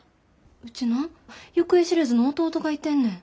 うちな行方知れずの弟がいてんねん。